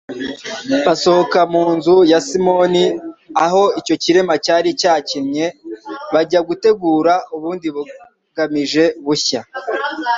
Basohoka mu nzu ya Simoni aho icyo kirema cyari cyakinye bajya gutegura ubundi bugamije bushya,